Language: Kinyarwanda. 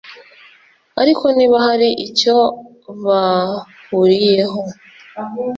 ariko niba hari icyo bahuriyeho